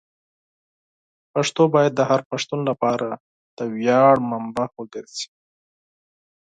پښتو باید د هر پښتون لپاره د ویاړ منبع وګرځي.